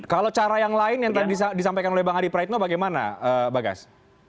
kalau cara yang lain yang tadi disampaikan oleh bang adi praitno bagaimana bagas